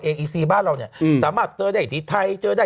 อีซีบ้านเราเนี่ยสามารถเจอได้ที่ไทยเจอได้